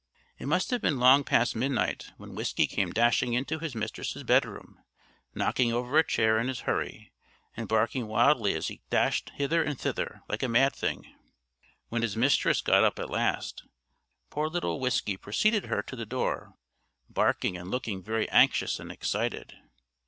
It must have been long past midnight, when Whiskey came dashing into his mistress's bedroom, knocking over a chair in his hurry, and barking wildly as he dashed hither and thither, like a mad thing. When his mistress got up at last, poor little Whiskey preceded her to the door, barking and looking very anxious and excited.